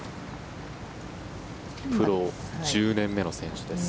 プロ１０年目の選手です。